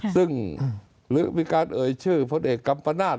ซึ่งหรือมีการเอ่ยชื่อพลเอกกัมปนาศ